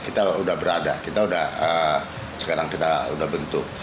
kita udah berada kita udah sekarang kita udah bentuk